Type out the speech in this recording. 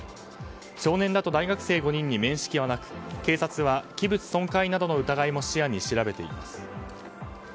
少年らと大学生５人に面識はなく、警察は器物損壊などの疑いも視野に調べています。